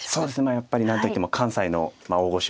やっぱり何といっても関西の大御所